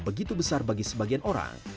begitu besar bagi sebagian orang